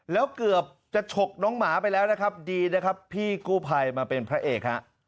แล้วเกือบจะฉกน้องหมาไปแล้วนะครับดีนะครับพี่กู้ภัยมาเป็นพระเอกฮะ